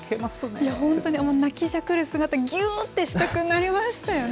いや、本当に泣きじゃくる姿、ぎゅーってしたくなりましたよね。